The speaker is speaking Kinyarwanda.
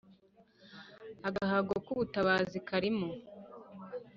agahago kubutabazi karimo